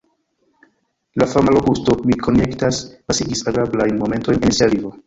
La fama Lokusto, mi konjektas, pasigis agrablajn momentojn en sia vivo.